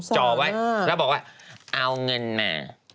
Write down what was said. จ่อไว้แล้วบอกว่าเอาเงินมา